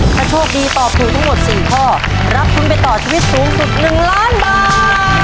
ถ้าโชคดีตอบถูกทั้งหมด๔ข้อรับทุนไปต่อชีวิตสูงสุด๑ล้านบาท